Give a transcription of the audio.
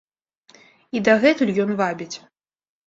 І дагэтуль ён вабіць.